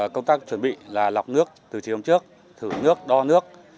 công tác chuẩn bị là lọc nước từ chiều hôm trước thử nước đo nước